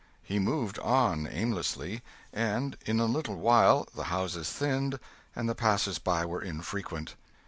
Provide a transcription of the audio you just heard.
He moved on, aimlessly, and in a little while the houses thinned, and the passers by were infrequent.